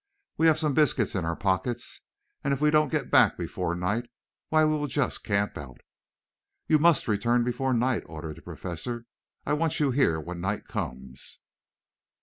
"We have some biscuit in our pockets, and if we don't get back before night, why we will just camp out." "You must return before night," ordered the Professor. "I want you here when night comes."